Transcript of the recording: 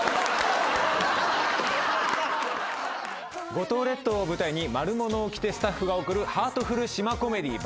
五島列島を舞台に『マルモのおきて』スタッフが送るハートフル島コメディー『ばらかもん』